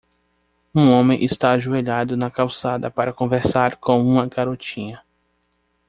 Um homem está ajoelhado na calçada para conversar com uma garotinha.